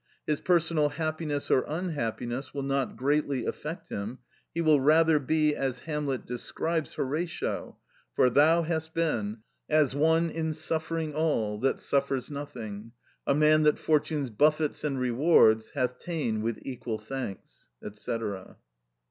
His personal happiness or unhappiness will not greatly affect him, he will rather be as Hamlet describes Horatio:— "... for thou hast been, As one, in suffering all, that suffers nothing; A man that fortune's buffets and rewards Hast ta'en with equal thanks," &c. (A. 3. Sc.